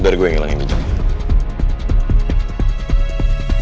biar gue ngilangin dijawabnya